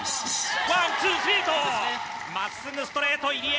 真っすぐ、ストレート、入江！